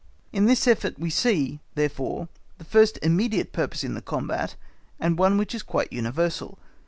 In this effort we see, therefore, the first immediate purpose in the combat, and one which is quite universal.